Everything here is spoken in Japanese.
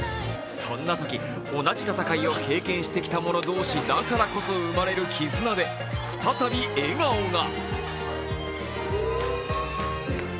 そんなとき、同じ戦いを経験してきた者同士だからこそ生まれる絆で再び笑顔が。